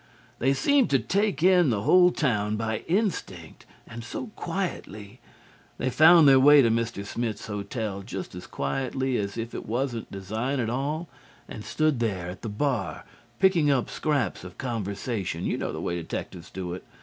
They seemed to take in the whole town by instinct and so quietly. They found their way to Mr. Smith's Hotel just as quietly as if it wasn't design at all and stood there at the bar, picking up scraps of conversation you know the way detectives do it.